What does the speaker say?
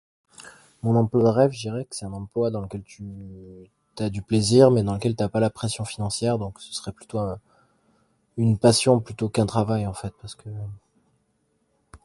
Mon emploi de rêve, je dirais, que c'est un emploi dans lequel tu... t'as du plaisir mais dans lequel t'as pas la pression financière donc ce serait plutôt... une passion plutôt qu'un travail en fait parce que...